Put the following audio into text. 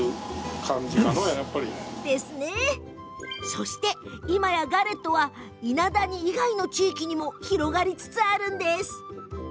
そして、今やガレットは伊那谷以外の地域にも広がりつつあるんです。